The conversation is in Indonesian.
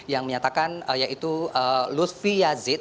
yang menyatakan yaitu lusfi yazid